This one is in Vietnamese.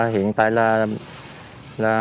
hiện tại là